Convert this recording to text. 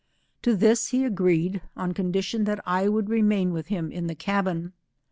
To this he agreed, on condition that I would remain with him in the cabin.